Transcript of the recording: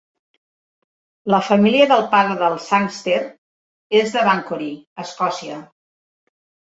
La família del pare de Sangster és de Banchory, Escòcia.